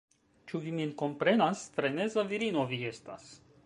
Ĉu vi min komprenas? Freneza virino vi estas